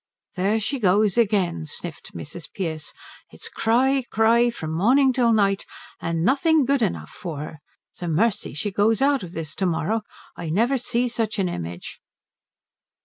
"There she goes again," sniffed Mrs. Pearce. "It's cry, cry, from morning till night, and nothing good enough for her. It's a mercy she goes out of this to morrow. I never see such an image."